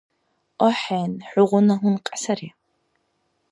АхӀен, хӀугъуна гьункья сари.